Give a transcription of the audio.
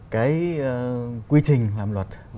cái quy trình làm luật